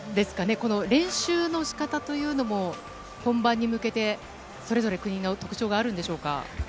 この練習の仕方というのも本番に向けて、それぞれ国の特徴があるんでしょうか？